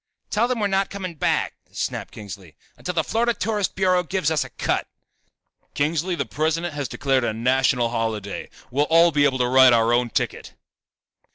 "Tell them we're not coming back," snapped Kingsley, "until the Florida Tourist Bureau gives us a cut." "Kingsley, the President has declared a national holiday. We'll all be able to write our own ticket."